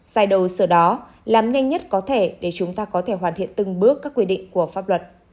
xài đồ sửa đó làm nhanh nhất có thể để chúng ta có thể hoàn thiện từng bước các quy định của pháp luật